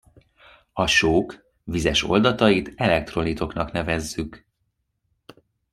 A sók vizes oldatait elektrolitoknak nevezzük.